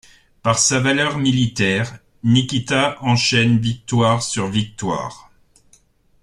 Par sa valeur militaire, Nikita enchaîne victoires sur victoires.